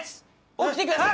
起きてください。